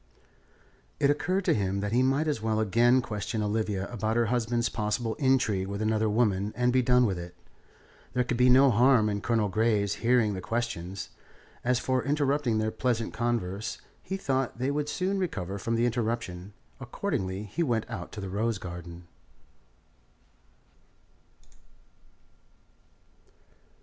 It occurred to him that he might as well again question Olivia about her husband's possible intrigue with another woman and be done with it. There could be no harm in Colonel Grey's hearing the questions. As for interrupting their pleasant converse, he thought that they would soon recover from the interruption. Accordingly he went out to the rose garden.